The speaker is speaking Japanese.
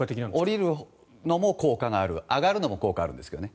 下りるのも効果がある上がるのも効果があるんですけどね。